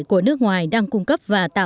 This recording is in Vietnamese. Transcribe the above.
của nước ngoài đang cung cấp và tổng thống